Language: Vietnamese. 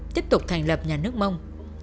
tiếp tục thành lập nhà nước mông